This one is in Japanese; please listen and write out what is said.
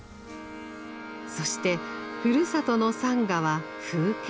そしてふるさとの山河は風景画。